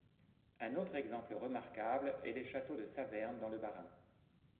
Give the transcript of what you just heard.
Un autre exemple remarquable est le château de Saverne dans le Bas-Rhin.